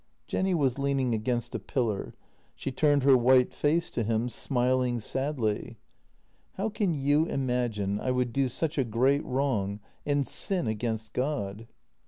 Jenny was leaning against a pillar. She turned her white face to him, smiling sadly: 278 JENNY " How can you imagine I would do such a great wrong, and sin against God